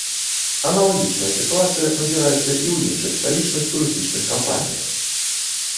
Аналагічная сітуацыя назіраецца і ў іншых сталічных турыстычных кампаніях.